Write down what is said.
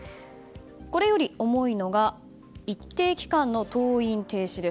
これより重いのが一定期間の登院停止です。